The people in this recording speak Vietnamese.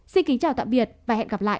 xin kính chào tạm biệt và hẹn gặp lại